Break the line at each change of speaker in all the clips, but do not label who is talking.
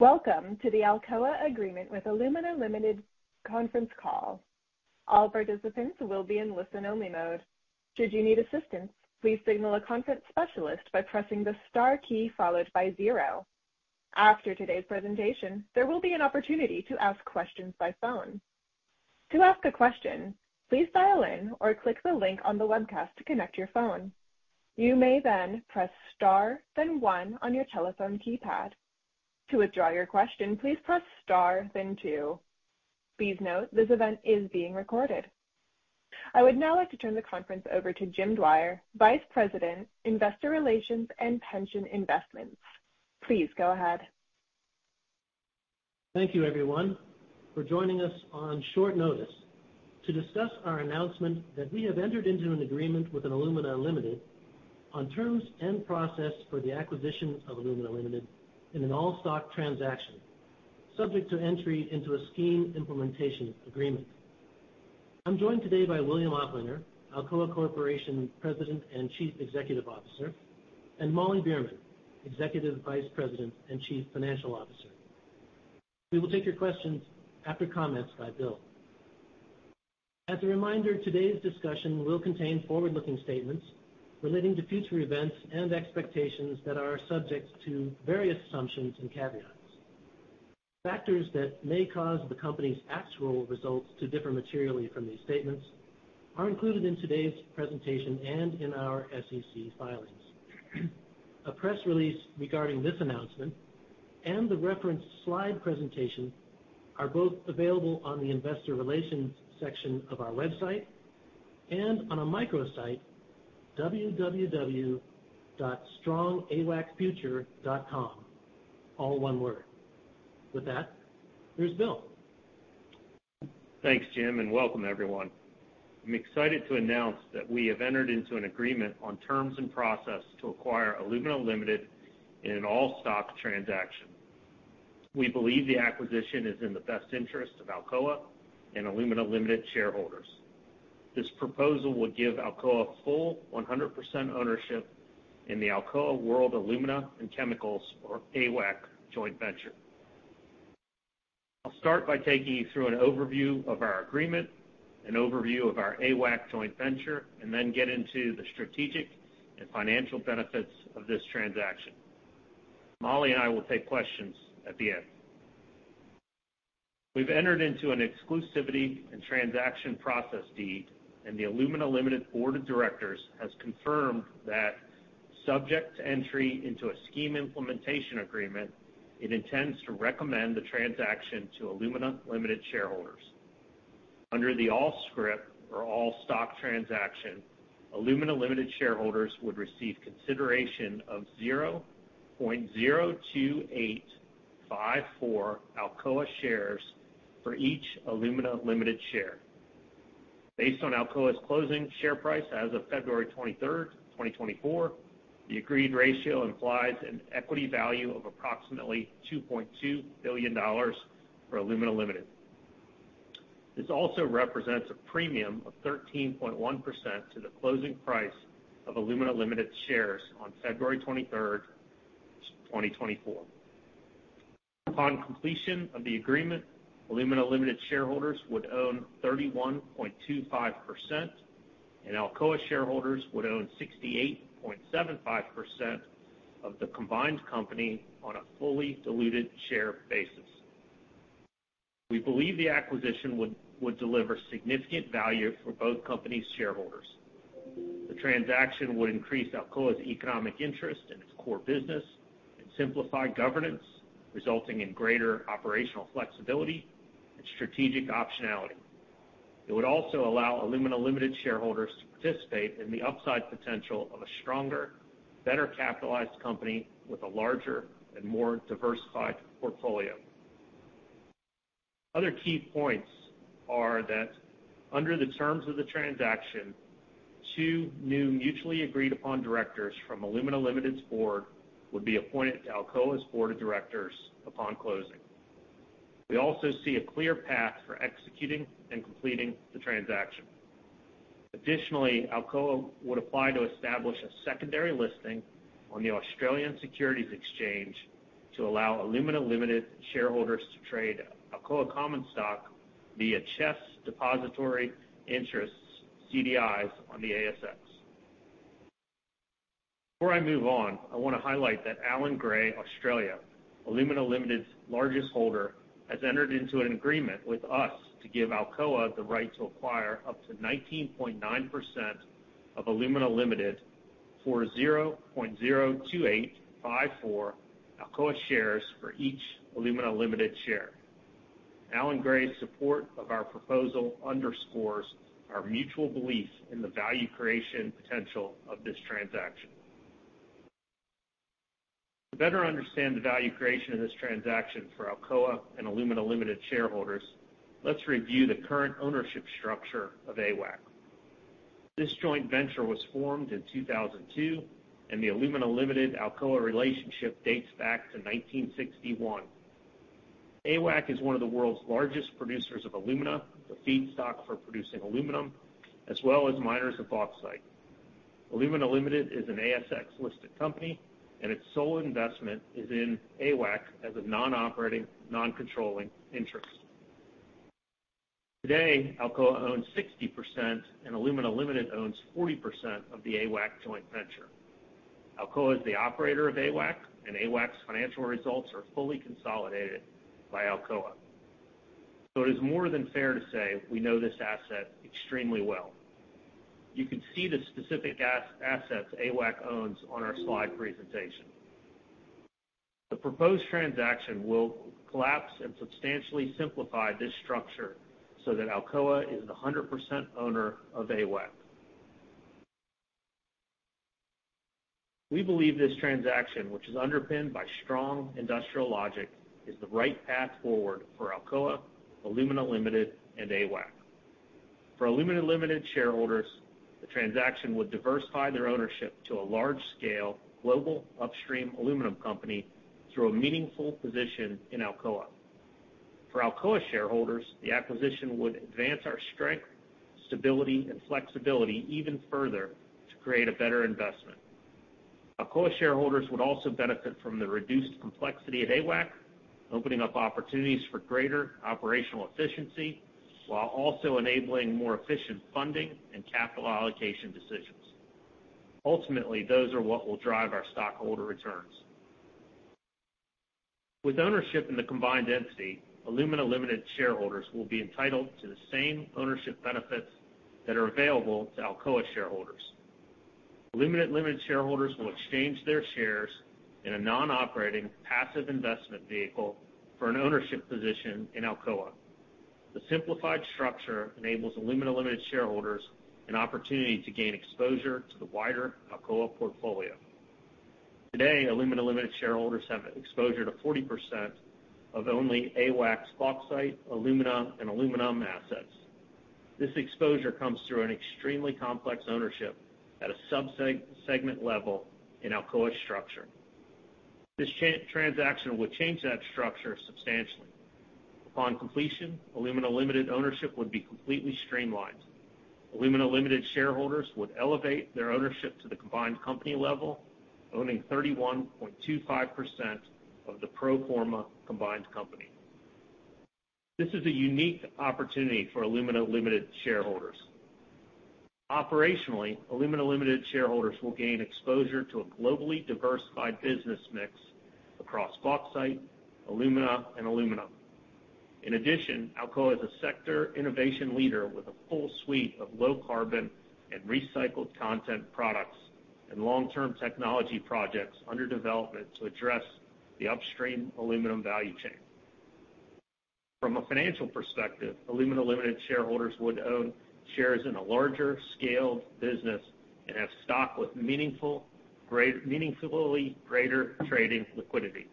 Welcome to the Alcoa agreement with Alumina Limited conference call. All participants will be in listen-only mode. Should you need assistance, please signal a conference specialist by pressing the star key followed by zero. After today's presentation, there will be an opportunity to ask questions by phone. To ask a question, please dial in or click the link on the webcast to connect your phone. You may then press Star, then One on your telephone keypad. To withdraw your question, please press Star then Two. Please note, this event is being recorded. I would now like to turn the conference over to Jim Dwyer, Vice President, Investor Relations and Pension Investments. Please go ahead.
Thank you, everyone, for joining us on short notice to discuss our announcement that we have entered into an agreement with an Alumina Limited on terms and process for the acquisition of Alumina Limited in an all-stock transaction, subject to entry into a scheme implementation agreement. I'm joined today by William Oplinger, Alcoa Corporation President and Chief Executive Officer, and Molly Beerman, Executive Vice President and Chief Financial Officer. We will take your questions after comments by Bill. As a reminder, today's discussion will contain forward-looking statements relating to future events and expectations that are subject to various assumptions and caveats. Factors that may cause the company's actual results to differ materially from these statements are included in today's presentation and in our SEC filings. A press release regarding this announcement and the referenced slide presentation are both available on the investor relations section of our website and on a microsite, www.strongawacfuture.com, all one word. With that, here's Bill.
Thanks, Jim, and welcome, everyone. I'm excited to announce that we have entered into an agreement on terms and process to acquire Alumina Limited in an all-stock transaction. We believe the acquisition is in the best interest of Alcoa and Alumina Limited shareholders. This proposal would give Alcoa full 100% ownership in the Alcoa World Alumina and Chemicals, or AWAC, joint venture. I'll start by taking you through an overview of our agreement, an overview of our AWAC joint venture, and then get into the strategic and financial benefits of this transaction. Molly and I will take questions at the end. We've entered into an Exclusivity and Transaction Process Deed, and the Alumina Limited Board of Directors has confirmed that subject to entry into a scheme implementation agreement, it intends to recommend the transaction to Alumina Limited shareholders. Under the all-stock transaction, Alumina Limited shareholders would receive consideration of 0.02854 Alcoa shares for each Alumina Limited share. Based on Alcoa's closing share price as of February 23, 2024, the agreed ratio implies an equity value of approximately $2.2 billion for Alumina Limited. This also represents a premium of 13.1% to the closing price of Alumina Limited shares on February 23, 2024. Upon completion of the agreement, Alumina Limited shareholders would own 31.25%, and Alcoa shareholders would own 68.75% of the combined company on a fully diluted share basis. We believe the acquisition would deliver significant value for both companies' shareholders. The transaction would increase Alcoa's economic interest in its core business and simplify governance, resulting in greater operational flexibility and strategic optionality. It would also allow Alumina Limited shareholders to participate in the upside potential of a stronger, better capitalized company with a larger and more diversified portfolio. Other key points are that under the terms of the transaction, two new mutually agreed upon directors from Alumina Limited's board would be appointed to Alcoa's board of directors upon closing. We also see a clear path for executing and completing the transaction. Additionally, Alcoa would apply to establish a secondary listing on the Australian Securities Exchange to allow Alumina Limited shareholders to trade Alcoa common stock via CHESS Depositary Interests, CDIs, on the ASX. Before I move on, I want to highlight that Allan Gray Australia, Alumina Limited's largest holder, has entered into an agreement with us to give Alcoa the right to acquire up to 19.9% of Alumina Limited for 0.02854 Alcoa shares for each Alumina Limited share. Allan Gray's support of our proposal underscores our mutual belief in the value creation potential of this transaction. To better understand the value creation of this transaction for Alcoa and Alumina Limited shareholders, let's review the current ownership structure of AWAC. This joint venture was formed in 2002, and the Alumina Limited Alcoa relationship dates back to 1961.... AWAC is one of the world's largest producers of alumina, the feedstock for producing aluminum, as well as miners of bauxite. Alumina Limited is an ASX-listed company, and its sole investment is in AWAC as a non-operating, non-controlling interest. Today, Alcoa owns 60%, and Alumina Limited owns 40% of the AWAC joint venture. Alcoa is the operator of AWAC, and AWAC's financial results are fully consolidated by Alcoa. So it is more than fair to say we know this asset extremely well. You can see the specific assets AWAC owns on our slide presentation. The proposed transaction will collapse and substantially simplify this structure so that Alcoa is the 100% owner of AWAC. We believe this transaction, which is underpinned by strong industrial logic, is the right path forward for Alcoa, Alumina Limited, and AWAC. For Alumina Limited shareholders, the transaction would diversify their ownership to a large-scale, global upstream aluminum company through a meaningful position in Alcoa. For Alcoa shareholders, the acquisition would advance our strength, stability, and flexibility even further to create a better investment. Alcoa shareholders would also benefit from the reduced complexity at AWAC, opening up opportunities for greater operational efficiency, while also enabling more efficient funding and capital allocation decisions. Ultimately, those are what will drive our stockholder returns. With ownership in the combined entity, Alumina Limited shareholders will be entitled to the same ownership benefits that are available to Alcoa shareholders. Alumina Limited shareholders will exchange their shares in a non-operating, passive investment vehicle for an ownership position in Alcoa. The simplified structure enables Alumina Limited shareholders an opportunity to gain exposure to the wider Alcoa portfolio. Today, Alumina Limited shareholders have an exposure to 40% of only AWAC's bauxite, alumina, and aluminum assets. This exposure comes through an extremely complex ownership at a sub-segment level in Alcoa's structure. This transaction would change that structure substantially. Upon completion, Alumina Limited ownership would be completely streamlined. Alumina Limited shareholders would elevate their ownership to the combined company level, owning 31.25% of the pro forma combined company. This is a unique opportunity for Alumina Limited shareholders. Operationally, Alumina Limited shareholders will gain exposure to a globally diversified business mix across bauxite, alumina, and aluminum. In addition, Alcoa is a sector innovation leader with a full suite of low carbon and recycled content products and long-term technology projects under development to address the upstream aluminum value chain. From a financial perspective, Alumina Limited shareholders would own shares in a larger-scaled business and have stock with meaningfully greater trading liquidity.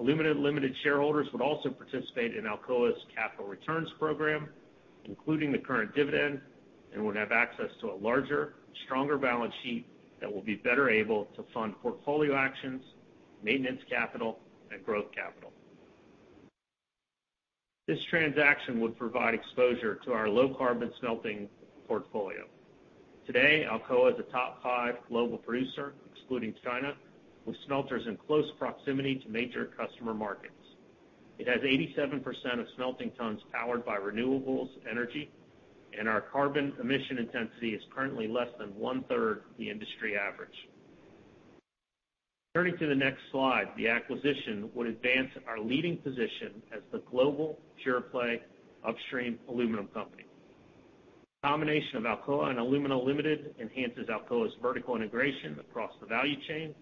Alumina Limited shareholders would also participate in Alcoa's capital returns program, including the current dividend, and would have access to a larger, stronger balance sheet that will be better able to fund portfolio actions, maintenance capital, and growth capital. This transaction would provide exposure to our low-carbon smelting portfolio. Today, Alcoa is a top five global producer, excluding China, with smelters in close proximity to major customer markets. It has 87% of smelting tons powered by renewable energy, and our carbon emission intensity is currently less than one-third the industry average. Turning to the next slide, the acquisition would advance our leading position as the global pure-play upstream aluminum company. The combination of Alcoa and Alumina Limited enhances Alcoa's vertical integration across the value chain,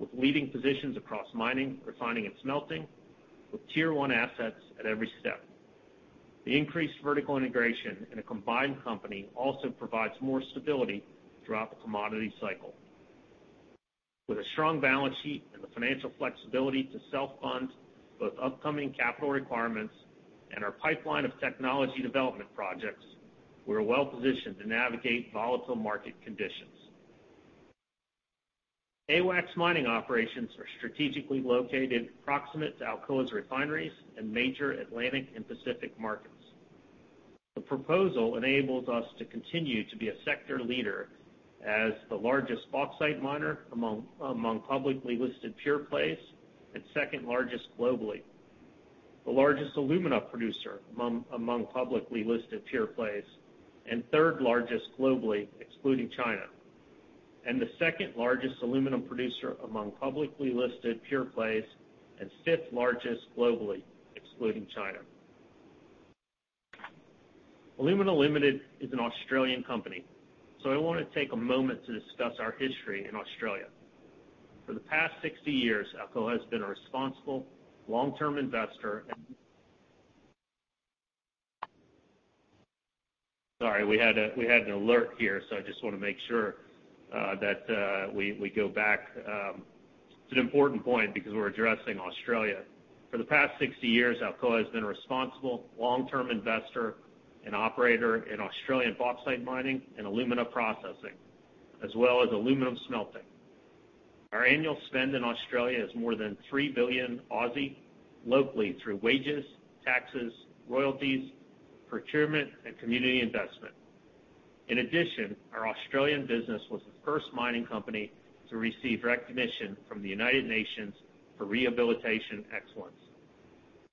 with leading positions across mining, refining and smelting, with Tier One assets at every step. The increased vertical integration in a combined company also provides more stability throughout the commodity cycle. With a strong balance sheet and the financial flexibility to self-fund both upcoming capital requirements and our pipeline of technology development projects, we're well positioned to navigate volatile market conditions. AWAC's mining operations are strategically located proximate to Alcoa's refineries and major Atlantic and Pacific markets. The proposal enables us to continue to be a sector leader as the largest bauxite miner among publicly listed pure-plays and second largest globally, the largest alumina producer among publicly listed pure-plays, and third largest globally, excluding China, and the second largest aluminum producer among publicly listed pure-plays and fifth largest globally, excluding China. Alumina Limited is an Australian company, so I want to take a moment to discuss our history in Australia. For the past 60 years, Alcoa has been a responsible, long-term investor. Sorry, we had an alert here, so I just want to make sure that we go back. It's an important point because we're addressing Australia. For the past 60 years, Alcoa has been a responsible, long-term investor and operator in Australian bauxite mining and alumina processing, as well as aluminum smelting. Our annual spend in Australia is more than 3 billion Aussie dollars locally through wages, taxes, royalties, procurement, and community investment. In addition, our Australian business was the first mining company to receive recognition from the United Nations for rehabilitation excellence.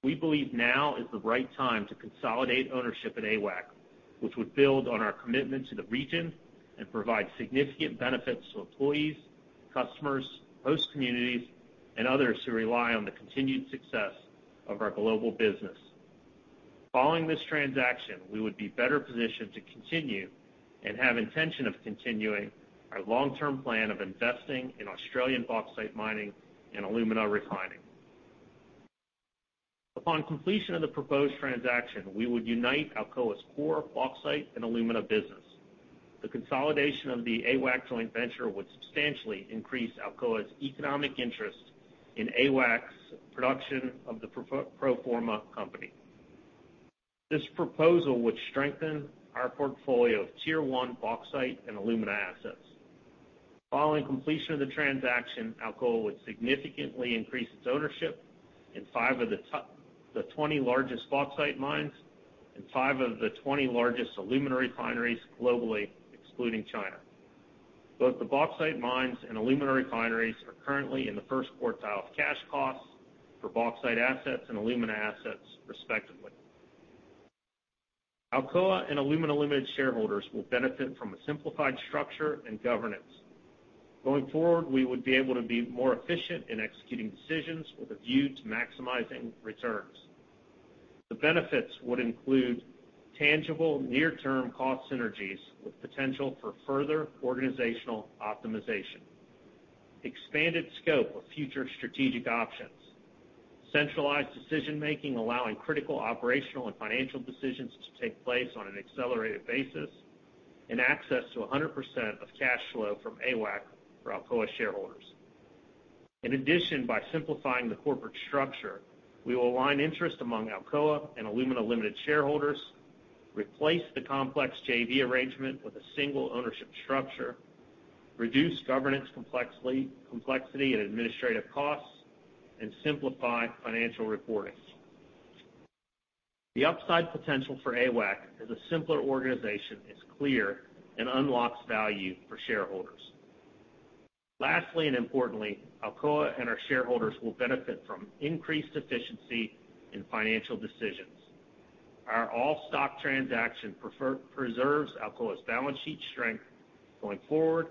We believe now is the right time to consolidate ownership at AWAC, which would build on our commitment to the region and provide significant benefits to employees, customers, host communities, and others who rely on the continued success of our global business. Following this transaction, we would be better positioned to continue and have intention of continuing our long-term plan of investing in Australian bauxite mining and alumina refining. Upon completion of the proposed transaction, we would unite Alcoa's core bauxite and alumina business. The consolidation of the AWAC joint venture would substantially increase Alcoa's economic interest in AWAC's production of the pro forma company. This proposal would strengthen our portfolio of Tier One bauxite and alumina assets. Following completion of the transaction, Alcoa would significantly increase its ownership in five of the top 20 largest bauxite mines and five of the 20 largest alumina refineries globally, excluding China. Both the bauxite mines and alumina refineries are currently in the first quartile of cash costs for bauxite assets and alumina assets, respectively. Alcoa and Alumina Limited shareholders will benefit from a simplified structure and governance. Going forward, we would be able to be more efficient in executing decisions with a view to maximizing returns. The benefits would include tangible near-term cost synergies with potential for further organizational optimization, expanded scope of future strategic options, centralized decision-making, allowing critical operational and financial decisions to take place on an accelerated basis, and access to 100% of cash flow from AWAC for Alcoa shareholders. In addition, by simplifying the corporate structure, we will align interest among Alcoa and Alumina Limited shareholders, replace the complex JV arrangement with a single ownership structure, reduce governance complexity and administrative costs, and simplify financial reporting. The upside potential for AWAC as a simpler organization is clear and unlocks value for shareholders. Lastly, and importantly, Alcoa and our shareholders will benefit from increased efficiency in financial decisions. Our all-stock transaction preserves Alcoa's balance sheet strength going forward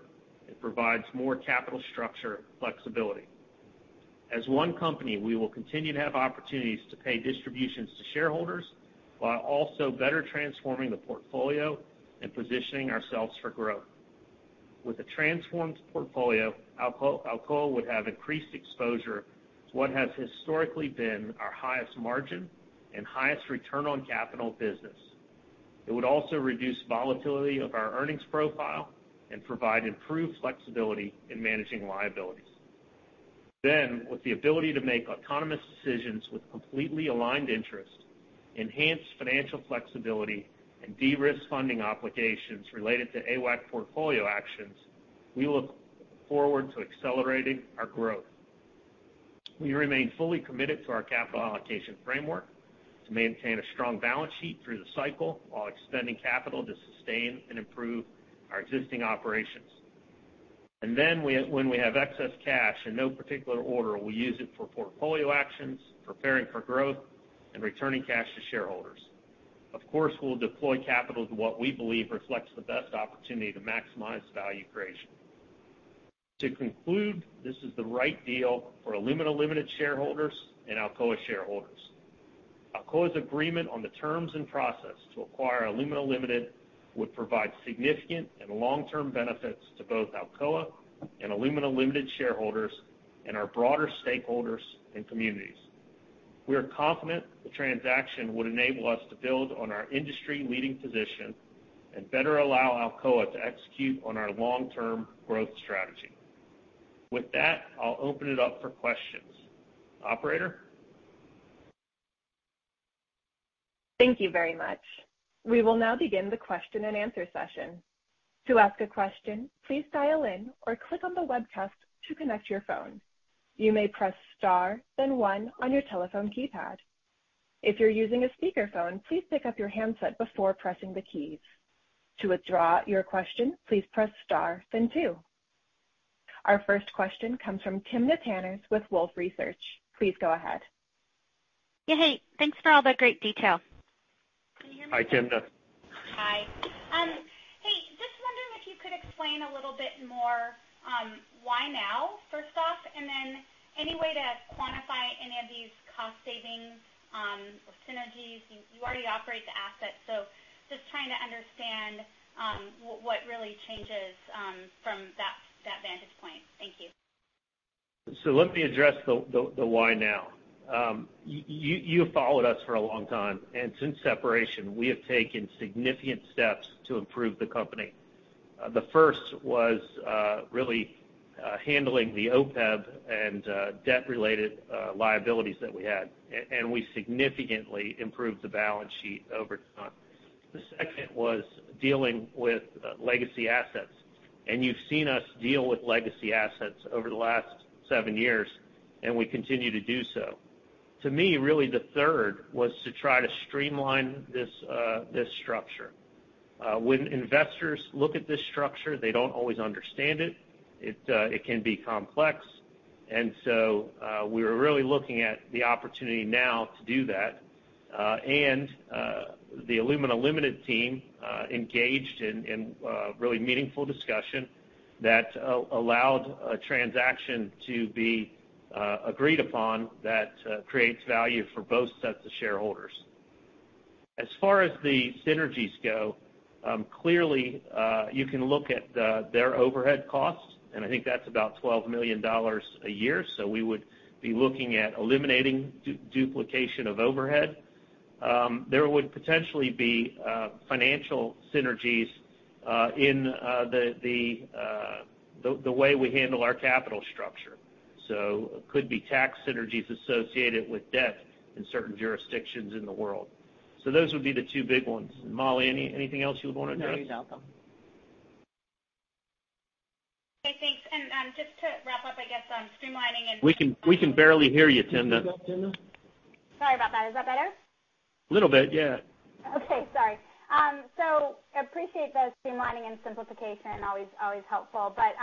and provides more capital structure flexibility. As one company, we will continue to have opportunities to pay distributions to shareholders, while also better transforming the portfolio and positioning ourselves for growth. With a transformed portfolio, Alcoa, Alcoa would have increased exposure to what has historically been our highest margin and highest return on capital business. It would also reduce volatility of our earnings profile and provide improved flexibility in managing liabilities. Then, with the ability to make autonomous decisions with completely aligned interests, enhanced financial flexibility, and de-risk funding obligations related to AWAC portfolio actions, we look forward to accelerating our growth. We remain fully committed to our capital allocation framework to maintain a strong balance sheet through the cycle, while extending capital to sustain and improve our existing operations. And then when we have excess cash, in no particular order, we'll use it for portfolio actions, preparing for growth, and returning cash to shareholders. Of course, we'll deploy capital to what we believe reflects the best opportunity to maximize value creation. To conclude, this is the right deal for Alumina Limited shareholders and Alcoa shareholders. Alcoa's agreement on the terms and process to acquire Alumina Limited would provide significant and long-term benefits to both Alcoa and Alumina Limited shareholders and our broader stakeholders and communities. We are confident the transaction would enable us to build on our industry-leading position and better allow Alcoa to execute on our long-term growth strategy. With that, I'll open it up for questions. Operator?
Thank you very much. We will now begin the question-and-answer session. To ask a question, please dial in or click on the webcast to connect your phone. You may press star, then one on your telephone keypad. If you're using a speakerphone, please pick up your handset before pressing the keys. To withdraw your question, please press star then two. Our first question comes from Timna Tanners with Wolfe Research. Please go ahead.
Yeah, hey, thanks for all the great detail.
Hi, Timna.
Hi. Hey, just wondering if you could explain a little bit more, why now, first off, and then any way to quantify any of these cost savings, or synergies? You already operate the assets, so just trying to understand, what really changes, from that vantage point. Thank you.
So let me address the why now. You have followed us for a long time, and since separation, we have taken significant steps to improve the company. The first was really handling the OPEB and debt-related liabilities that we had, and we significantly improved the balance sheet over time. The second was dealing with legacy assets, and you've seen us deal with legacy assets over the last seven years, and we continue to do so. To me, really, the third was to try to streamline this structure. When investors look at this structure, they don't always understand it. It can be complex, and so we were really looking at the opportunity now to do that. The Alumina Limited team engaged in really meaningful discussion that allowed a transaction to be agreed upon that creates value for both sets of shareholders. As far as the synergies go, clearly, you can look at their overhead costs, and I think that's about $12 million a year. So we would be looking at eliminating duplication of overhead. There would potentially be financial synergies in the way we handle our capital structure. So could be tax synergies associated with debt in certain jurisdictions in the world. So those would be the two big ones. Molly, anything else you would want to address?
No, you got them.
Okay, thanks. And, just to wrap up, I guess, on streamlining and-
We can, we can barely hear you, Timna.
Can you hear that, Timna?
Sorry about that. Is that better?
Little bit, yeah.
Okay, sorry. So appreciate the streamlining and simplification. Always, always helpful. But,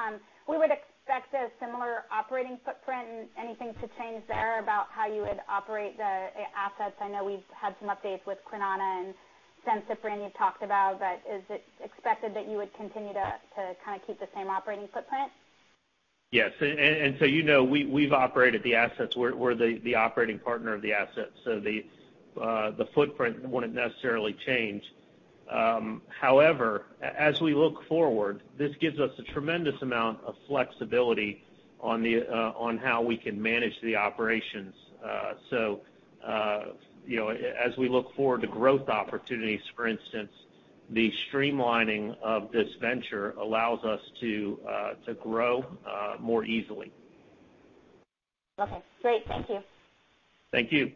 we would expect a similar operating footprint, and anything to change there about how you would operate the assets? I know we've had some updates with Kwinana and San Ciprián you've talked about, but is it expected that you would continue to kind of keep the same operating footprint?
Yes, so you know, we've operated the assets. We're the operating partner of the assets, so the footprint wouldn't necessarily change. However, as we look forward, this gives us a tremendous amount of flexibility on how we can manage the operations. So, you know, as we look forward to growth opportunities, for instance, the streamlining of this venture allows us to grow more easily.
Okay, great. Thank you.
Thank you.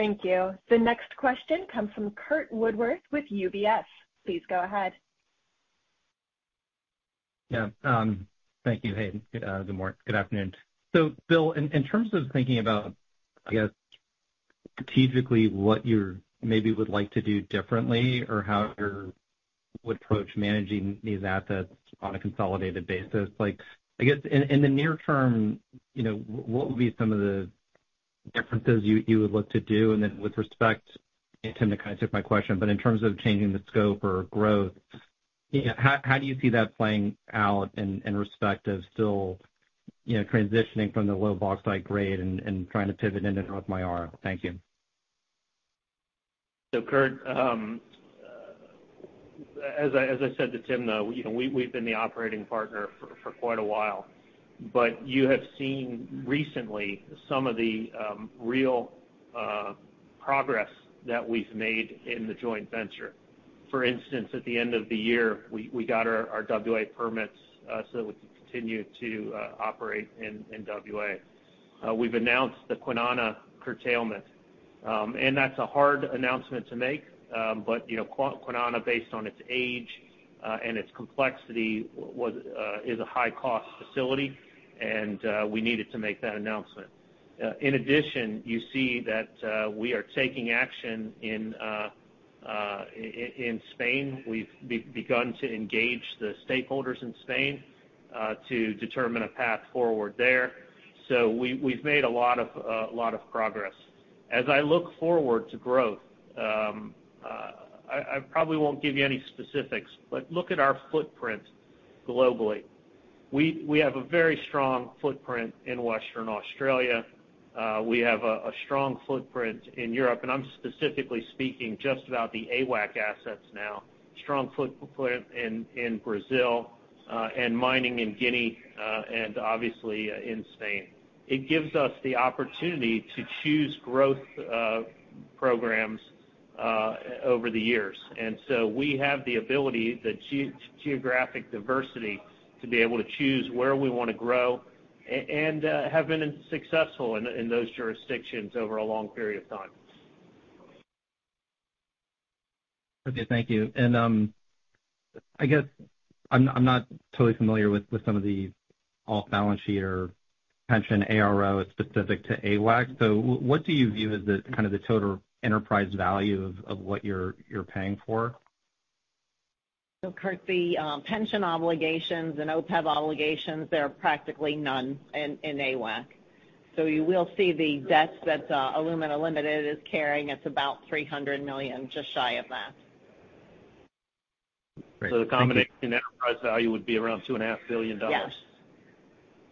Thank you. The next question comes from Curt Woodworth with UBS. Please go ahead.
Yeah. Thank you, Hayden. Good morning, good afternoon. So Bill, in terms of thinking about, I guess, strategically, what you maybe would like to do differently or how you would approach managing these assets on a consolidated basis, like, I guess, in the near term, you know, what would be some of the differences you would look to do? And then with respect to Timna, kind of took my question, but in terms of changing the scope or growth, you know, how do you see that playing out in respect of still, you know, transitioning from the low bauxite grade and trying to pivot into North Myara? Thank you.
So, Curt, as I said to Timna, you know, we've been the operating partner for quite a while, but you have seen recently some of the real progress that we've made in the joint venture. For instance, at the end of the year, we got our WA permits, so we can continue to operate in WA. We've announced the Kwinana curtailment. And that's a hard announcement to make, but, you know, Kwinana, based on its age and its complexity, is a high-cost facility, and we needed to make that announcement. In addition, you see that we are taking action in Spain. We've begun to engage the stakeholders in Spain to determine a path forward there. So we've made a lot of progress. As I look forward to growth, I probably won't give you any specifics, but look at our footprint globally. We have a very strong footprint in Western Australia. We have a strong footprint in Europe, and I'm specifically speaking just about the AWAC assets now. Strong footprint in Brazil, and mining in Guinea, and obviously in Spain. It gives us the opportunity to choose growth programs over the years. And so we have the ability, the geographic diversity, to be able to choose where we want to grow, and have been successful in those jurisdictions over a long period of time.
Okay, thank you. And, I guess I'm not, I'm not totally familiar with some of the off-balance sheet or pension ARO specific to AWAC. So what do you view as the, kind of the total enterprise value of what you're paying for?
So Curt, the pension obligations and OPEB obligations, there are practically none in AWAC. So you will see the debts that Alumina Limited is carrying. It's about $300 million, just shy of that.
Great, thank you.
The combination enterprise value would be around $2.5 billion?
Yes.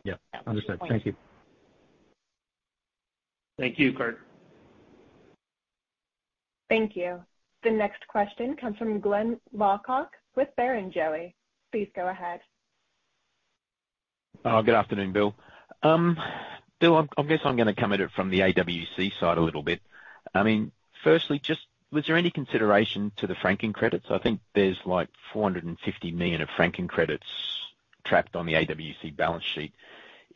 Yeah. Understood. Thank you.
Thank you, Curt.
Thank you. The next question comes from Glyn Lawcock with Barrenjoey. Please go ahead.
Good afternoon, Bill. Bill, I guess I'm going to come at it from the AWAC side a little bit. I mean, firstly, just was there any consideration to the franking credits? I think there's like 450 million of franking credits trapped on the AWAC balance sheet.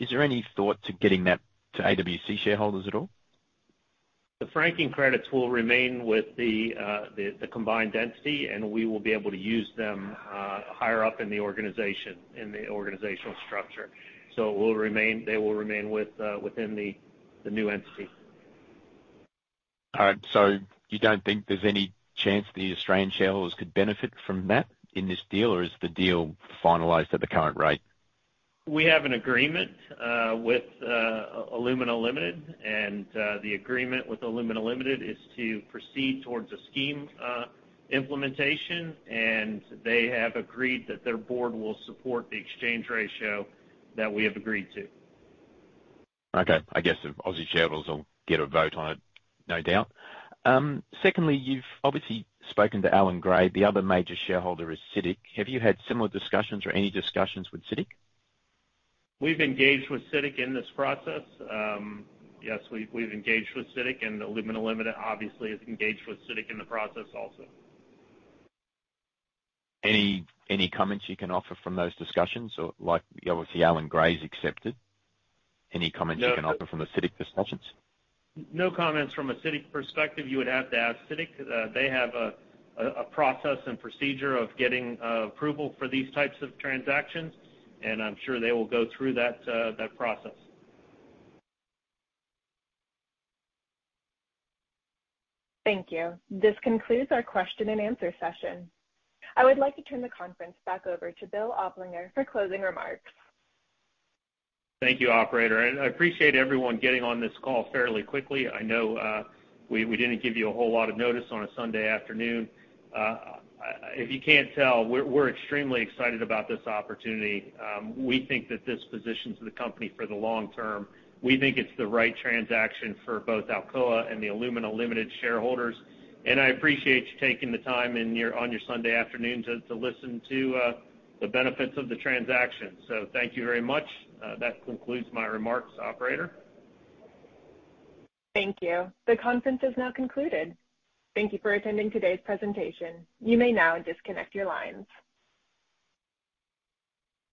Is there any thought to getting that to AWAC shareholders at all?
The franking credits will remain with the combined entity, and we will be able to use them higher up in the organization, in the organizational structure. So it will remain. They will remain within the new entity.
All right. So you don't think there's any chance the Australian shareholders could benefit from that in this deal? Or is the deal finalized at the current rate?
We have an agreement with Alumina Limited, and the agreement with Alumina Limited is to proceed towards a scheme implementation, and they have agreed that their board will support the exchange ratio that we have agreed to.
Okay. I guess the Aussie shareholders will get a vote on it, no doubt. Secondly, you've obviously spoken to Allan Gray. The other major shareholder is CITIC. Have you had similar discussions or any discussions with CITIC?
We've engaged with CITIC in this process. Yes, we've engaged with CITIC, and Alumina Limited obviously has engaged with CITIC in the process also.
Any, any comments you can offer from those discussions? Or like, obviously, Allan Gray's accepted. Any comments you can offer from the CITIC discussions?
No comments from a CITIC perspective. You would have to ask CITIC. They have a process and procedure of getting approval for these types of transactions, and I'm sure they will go through that process.
Thank you. This concludes our question and answer session. I would like to turn the conference back over to Will Oplinger for closing remarks.
Thank you, operator, and I appreciate everyone getting on this call fairly quickly. I know, we didn't give you a whole lot of notice on a Sunday afternoon. If you can't tell, we're extremely excited about this opportunity. We think that this positions the company for the long term. We think it's the right transaction for both Alcoa and the Alumina Limited shareholders, and I appreciate you taking the time in your, on your Sunday afternoon to listen to the benefits of the transaction. So thank you very much. That concludes my remarks, operator.
Thank you. The conference is now concluded. Thank you for attending today's presentation. You may now disconnect your lines.